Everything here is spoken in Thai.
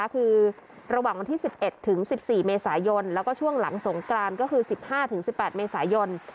คือระหว่างวันที่๑๑ถึง๑๔เมษายนแล้วก็ช่วงหลังสงกรานก็คือ๑๕๑๘เมษายน